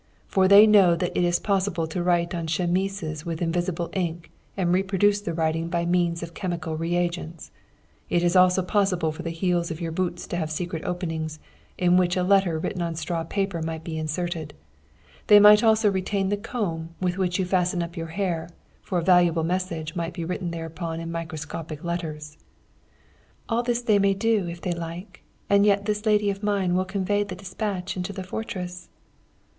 For they know that it is possible to write on chemises with invisible ink and reproduce the writing by means of chemical re agents. It is also possible for the heels of your boots to have secret openings, in which a letter written on straw paper might be inserted. They might also retain the comb with which you fasten up your hair, for a valuable message might be written thereupon in microscopic letters.' [Footnote 86: The wife of the Austrian Commander in chief. TR.] "'All this they may do if they like, and yet this lady of mine will convey the despatch into the fortress.'